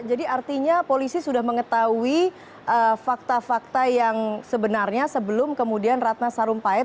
jadi artinya polisi sudah mengetahui fakta fakta yang sebenarnya sebelum kemudian ratna sarumpayat